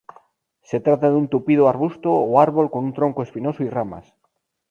Se trata de un tupido arbusto o árbol con un tronco espinoso y ramas.